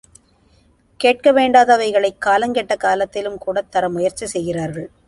கேட்க வேண்டாதவைகளைக் காலங்கெட்ட காலத்திலும் கூடத் தர முயற்சி செய்கிறார்கள்.